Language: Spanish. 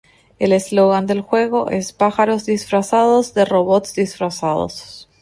El eslogan del juego es "Pájaros Disfrazados de Robots Disfrazados".